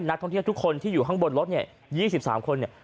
นักท่องเที่ยวทุกคนที่อยู่ข้างบนรถเนี่ย๒๓คนเนี่ย